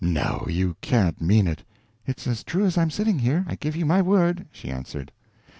"No! You can't mean it!" "It's as true as I'm sitting here, I give you my word," she answered.